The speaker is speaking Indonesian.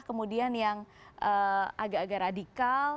kemudian yang agak agak radikal